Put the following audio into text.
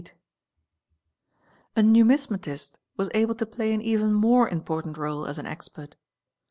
\ numismatist was able to play an even more important réle as an ert.